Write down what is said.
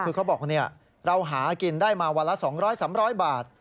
คือเขาบอกเราหากินได้มาวันละ๒๐๐๓๐๐บาท